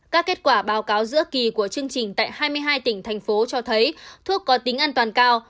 các kết quả báo cáo giữa kỳ của chương trình tại hai mươi hai tỉnh thành phố cho thấy thuốc có tính an toàn cao